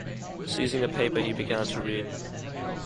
Seizing a paper, he began to read.